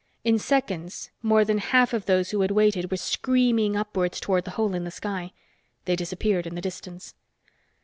In seconds, more than half of those who had waited were screaming upwards toward the hole in the sky. They disappeared in the distance.